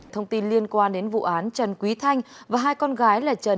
thông tin liên quan đến vụ án trần quý thanh và hai con gái là trần quý thanh